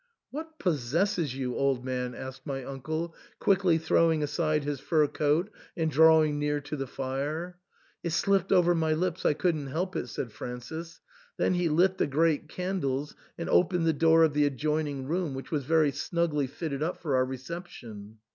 " What possesses you, old man ?" asked my uncle, quickly throwing aside his fur coat and drawing near to the fire. " It slipped over my lips, I couldn't help it," said Francis ; then he lit the great candles and opened the door of the adjoining room, which was very snugly fitted up for our reception.